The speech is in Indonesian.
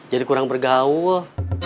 jadi kurang bergaul